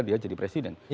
dia jadi presiden